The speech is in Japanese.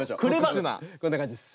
こんな感じです。